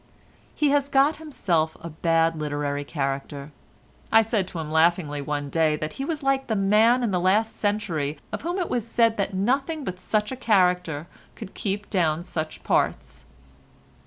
He has got himself a bad literary character. I said to him laughingly one day that he was like the man in the last century of whom it was said that nothing but such a character could keep down such parts.